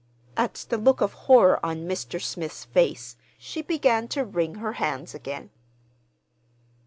_" At the look of horror on Mr. Smith's face, she began to wring her hands again.